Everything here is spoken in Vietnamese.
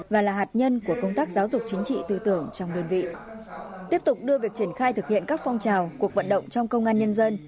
và là hạt nhân của công tác giáo dục chính trị tư tưởng trong đơn vị